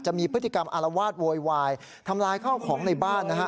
จะมีพฤติกรรมอารวาสโวยวายทำลายข้าวของในบ้านนะฮะ